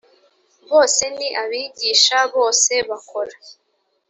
bose ni abigisha. bose bakora